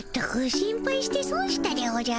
心配してそんしたでおじゃる。